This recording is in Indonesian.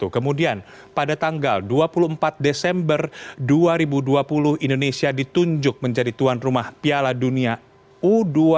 kemudian pada tanggal dua puluh empat desember dua ribu dua puluh indonesia ditunjuk menjadi tuan rumah piala dunia u dua puluh dua